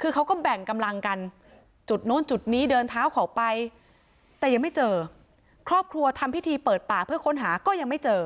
คือเขาก็แบ่งกำลังกันจุดนู้นจุดนี้เดินเท้าเขาไปแต่ยังไม่เจอครอบครัวทำพิธีเปิดป่าเพื่อค้นหาก็ยังไม่เจอ